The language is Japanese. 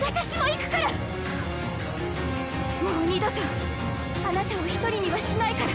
もう二度とあなたを一人にはしないから！